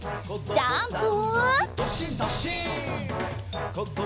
ジャンプ！